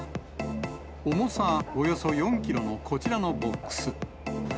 重さおよそ４キロのこちらのボックス。